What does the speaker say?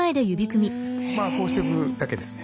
まあこうしておくだけですね。